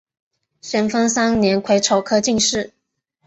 咸丰三年癸丑科进士。